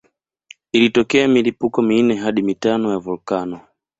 Ilitokea milipuko minne hadi mitano ya volkano